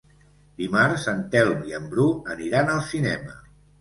Dimarts en Telm i en Bru aniran al cinema.